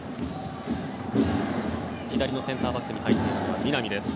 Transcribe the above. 左のセンターバックに入っているのは南です。